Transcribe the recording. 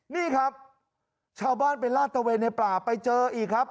นี่ครับชาวบ้านไปลาดตะเวนในป่าไปเจออีกครับ